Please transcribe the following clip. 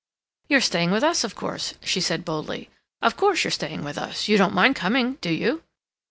"You are staying with us, of course," she said boldly. "Of course, you're staying with us—you don't mind coming, do you?"